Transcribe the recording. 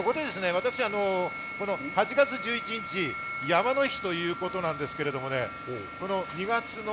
私、８月１１日、山の日ということなんですけれどもね。